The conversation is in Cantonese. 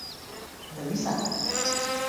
女神